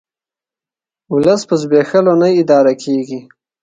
ولس په زبېښولو نه اداره کیږي